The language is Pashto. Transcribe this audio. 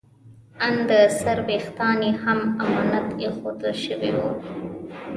ان د سر ویښتان یې هم امانت ایښودل شوي وو.